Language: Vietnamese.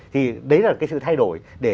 thì đấy là cái sự thay đổi